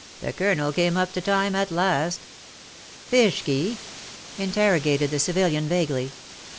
The Colonel came up to time^ at last/' " Fishky/^ interrogated the civilian vaguely.